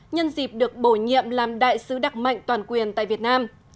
nhân dịp được bổ nhiệm làm đại sứ đặc mệnh toàn quyền tại việt nam